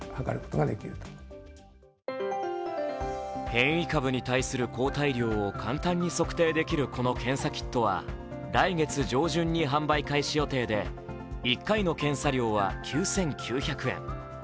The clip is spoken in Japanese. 変異株に対する抗体量を簡単に測定できるこの検査キットは来月上旬に販売開始予定で、１回の検査料は９９００円。